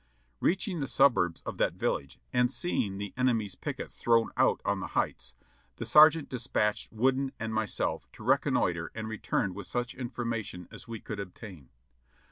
Reaching the suburbs of that village and seeing the enemy's pickets thrown out on the heights, the sergeant dispatched Wooden and myself to reconnoitre and return with such infor mation as we could obtain.